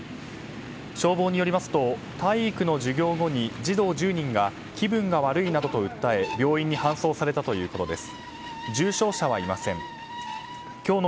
消防によりますと体育の授業後、児童１０人が気分が悪いと訴え病院に搬送されたということです。